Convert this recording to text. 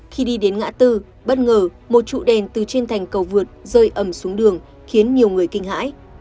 khi đi đến ngã tư bất ngờ một trụ đèn từ trên thành cầu vượt rơi ẩm xuống đường khiến nhiều người kinh hãi